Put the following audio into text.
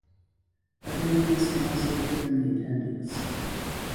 Adenomas can also appear in the appendix.